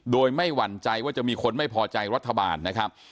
โดยไม่หวั่นใจว่าจะมีคนไม่พอใจรัฐบาลนะครับ